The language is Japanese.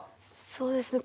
そうですね